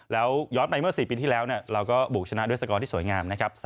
แล้วย้อนไปเมื่อ๔ปีที่แล้วเราก็บุกชนะด้วยสกอร์ที่สวยงามนะครับ